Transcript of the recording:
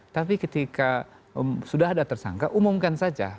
tapi ketika sudah ada tersangka umumkan saja